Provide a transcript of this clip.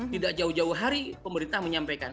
tidak jauh jauh hari pemerintah menyampaikan